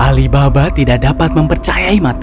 alibaba tidak dapat mempercayai mata